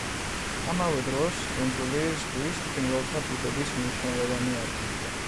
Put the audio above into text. ამავე დროს, კუნძული ზღვის ფრინველთა ბუდობის მნიშვნელოვანი ადგილია.